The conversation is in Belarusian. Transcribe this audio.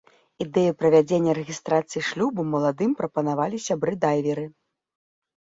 Ідэю правядзення рэгістрацыі шлюбу маладым прапанавалі сябры-дайверы.